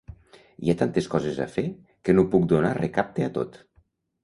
Hi ha tantes coses a fer que no puc donar recapte a tot.